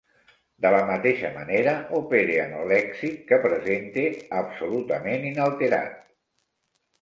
De la mateixa manera opere amb el lèxic, que presente absolutament inalterat.